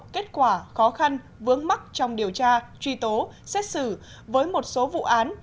kết quả khó khăn vướng mắt trong điều tra truy tố xét xử với một số vụ án